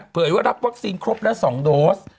เผยว่ารับวัคซีนครบแล้ว๒โดส